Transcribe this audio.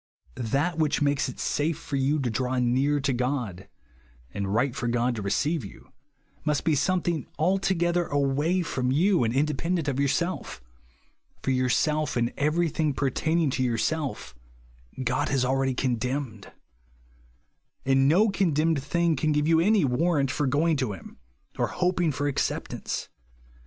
That which makes it safe for you to draw near to God, and right for God to receive you, must be something altogether away from and independent of yourself; for yourself and everything pertaining to your self, God has already condemned ; and no condemned thing can give you any warrant for going to him, or hoping for acceptance.